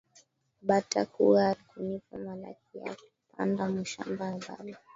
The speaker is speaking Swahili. Bata kuya kunipa malaki yaku panda mu mashamba ya baba